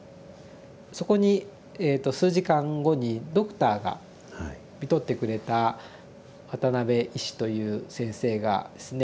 そこにえと数時間後にドクターがみとってくれたワタナベ医師という先生がですね